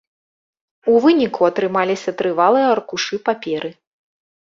У выніку атрымаліся трывалыя аркушы паперы.